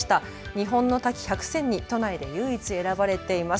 日本の滝百選に都内で唯一選ばれています。